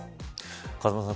風間さん